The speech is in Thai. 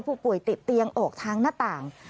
ผู้ป่วยติดเตียงออกทางหน้าต่าง